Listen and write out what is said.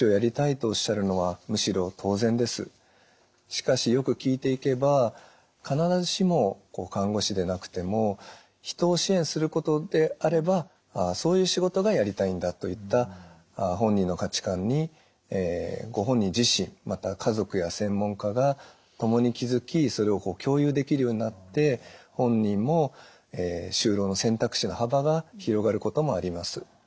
しかしよく聞いていけば必ずしも看護師でなくても人を支援することであればそういう仕事がやりたいんだといった本人の価値観にご本人自身また家族や専門家が共に気付きそれを共有できるようになって本人も就労の選択肢の幅が広がることもあります。